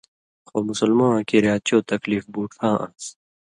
خو مسلماواں کِریا چو تکلیف بُوڇھاں آن٘س؛